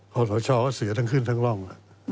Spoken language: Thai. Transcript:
คุณผู้ชอบก็เสียทั้งขึ้นทั้งร่อง